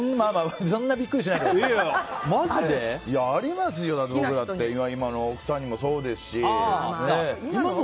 そんなビックリしないでください。ありますよ、僕だって今の奥さんにもそうですし。